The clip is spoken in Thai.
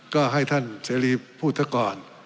ก็ให้ท่านเสรีพูดซะก่อน